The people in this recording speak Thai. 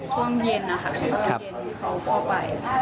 ช่วงเย็นเขาเข้าไป